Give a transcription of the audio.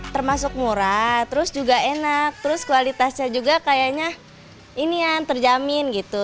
termasuk murah terus juga enak terus kualitasnya juga kayaknya ini yang terjamin gitu